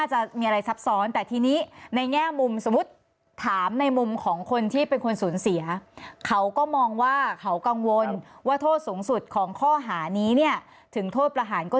เหล่ากังวลว่าโทษสูงสุดของข้อหานี้เนี้ยถึงโทษประหารก็